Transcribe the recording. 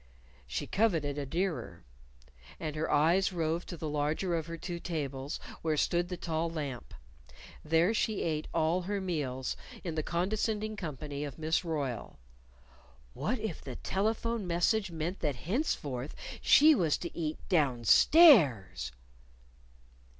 She coveted a dearer. And her eyes roved to the larger of her two tables, where stood the tall lamp. There she ate all her meals, in the condescending company of Miss Royle. What if the telephone message meant that henceforth she was to eat _downstairs?